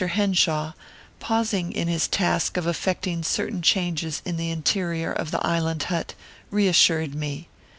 Henshaw, pausing in his task of effecting certain changes in the interior of the island hut, reassured me.